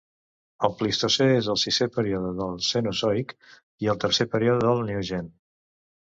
El Plistocè és el sisè període del Cenozoic i el tercer període del Neogen.